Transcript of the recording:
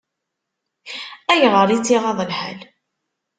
Ayɣer i tt-iɣaḍ lḥal?